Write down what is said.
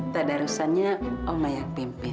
tak ada arusannya om mayang pimpin